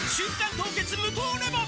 凍結無糖レモン」